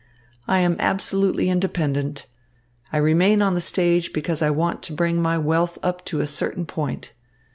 I am absolutely independent. I remain on the stage because I want to bring my wealth up to a certain point.